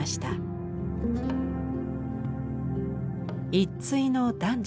一対の男女。